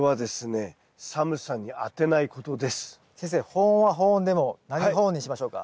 保温は保温でも何保温にしましょうか？